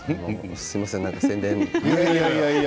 すみません、宣伝で。